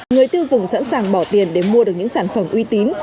người tiêu dùng sẵn sàng bỏ tiền để mua được những sản phẩm uy tín